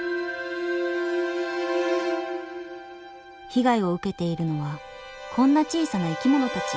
被害を受けているのはこんな小さな生き物たち。